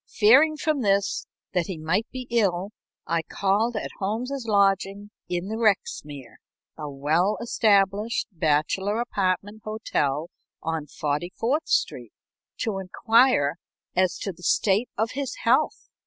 Fearing from this that he might be ill, I called at Holmes's lodgings in the Rexmere, a well established bachelor apartment hotel, on Forty fourth Street, to inquire as to the state of his health.